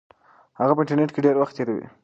هغه په انټرنیټ کې ډېر وخت تیروي.